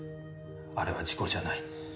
「あれは事故じゃない。